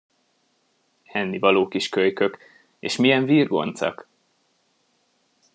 Ennivaló kis kölykök, és milyen virgoncak!